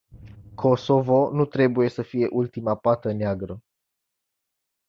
Kosovo nu trebuie să fie ultima pată neagră.